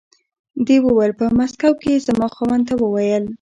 دې وویل په مسکو کې یې زما خاوند ته و ویل.